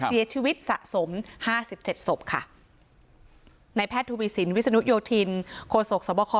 เสียชีวิตสะสมห้าสิบเจ็ดศพค่ะในแพทย์ทวีสินวิศนุโยธินโคศกสวบค